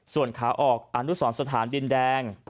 ส่วนขาออกอนุสรสถานดินแดง